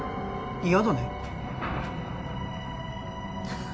嫌だね